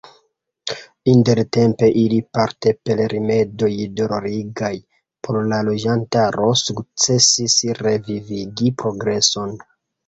Intertempe ili – parte per rimedoj dolorigaj por la loĝantaro – sukcesis revivigi progreson.